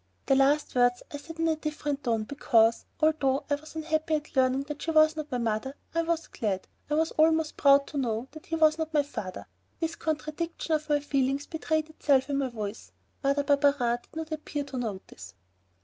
The last words I had said in a different tone because, although I was unhappy at learning that she was not my mother, I was glad, I was almost proud, to know that he was not my father. This contradiction of my feelings betrayed itself in my voice. Mother Barberin did not appear to notice.